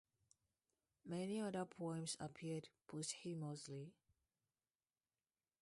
Many other poems appeared posthumously.